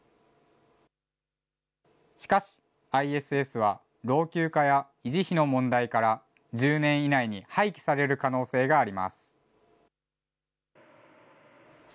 しかし、ＩＳＳは、老朽化や維持費の問題から、１０年以内に廃棄される可能性があります。